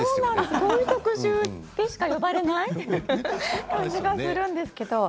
こういう特集でしか呼ばれない感じがするんですけど。